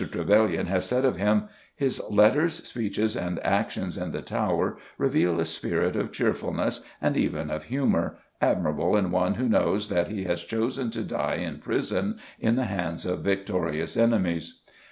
Trevelyan has said of him, "His letters, speeches, and actions in the Tower reveal a spirit of cheerfulness and even of humour, admirable in one who knows that he has chosen to die in prison in the hands of victorious enemies."